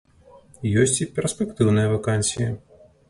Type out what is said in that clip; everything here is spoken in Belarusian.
Ёсць і перспектыўныя вакансіі.